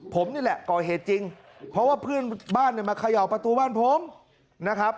ผมนี่แหละก่อเหตุจริงเพราะว่าเพื่อนบ้านเนี่ยมาเขย่าประตูบ้านผมนะครับ